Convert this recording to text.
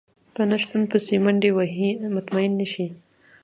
په نشتو پسې منډې وهي مطمئن نه شي.